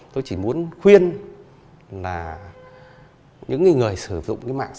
tôi chỉ muốn khuyên là những người sử dụng cái mạng xã hội